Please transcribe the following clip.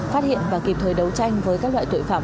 phát hiện và kịp thời đấu tranh với các loại tội phạm